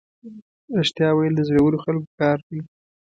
رښتیا ویل د زړورو خلکو کار دی.